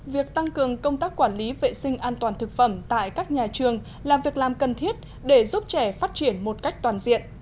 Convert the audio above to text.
việc tăng cường công tác quản lý vệ sinh an toàn thực phẩm tại các nhà trường là việc làm cần thiết để giúp trẻ phát triển một cách toàn diện